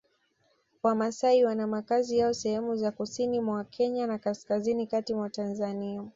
Wamasai wana makazi yao sehemu za Kusini mwa Kenya na Kaskazini kati mwa Tanzania